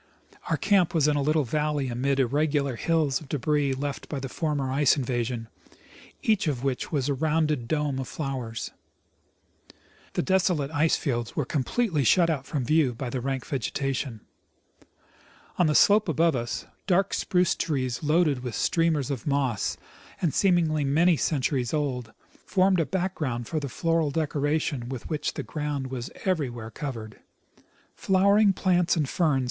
Our camp was in a little valley amid irregular hills of debris left by the former ice invasion, each of which was a rounded dome of flowers. The desolate ice fields were com pletely shut out from view by the rank vegetation. On the slope above us, dark spruce trees loaded with streamers of moss, and seemingly many centuries old, formed a background for the floral decoration with which the ground was everywhere covered. Flowering plants and ferns w.